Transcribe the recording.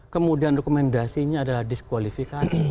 kemudian rekomendasinya adalah diskualifikasi